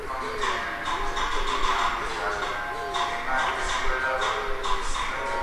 Muchas soluciones de software son ofrecidas en Internet que pueden automatizar estos procesos.